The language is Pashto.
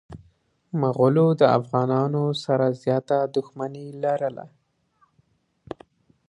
مغولو د افغانانو سره زياته دښمني لرله.